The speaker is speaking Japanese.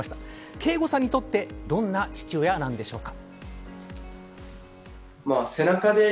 けーごさんにとってどんな父親なんでしょうか。